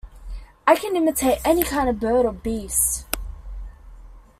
I can imitate any kind of a bird or beast.